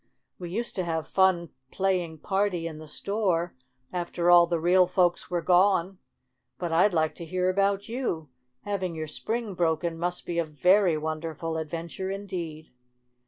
"We used to have fun play ing party in the store after all the real folks were gone. But I'd like to hear about you. Having your spring broken must be a very wonderful adventure in deed."